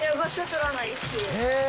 へえ。